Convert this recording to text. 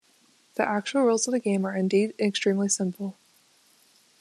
The actual rules of the game are indeed extremely simple.